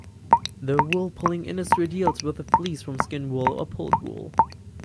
The wool pulling industry deals with the fleece from skin wool or pulled wool.